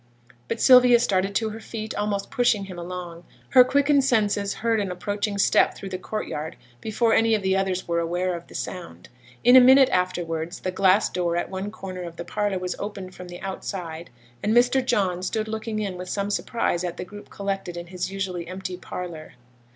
But Sylvia started to her feet, almost pushing him along. Her quickened senses heard an approaching step through the courtyard before any of the others were aware of the sound. In a minute afterwards, the glass door at one corner of the parlour was opened from the outside, and Mr. John stood looking in with some surprise at the group collected in his usually empty parlour.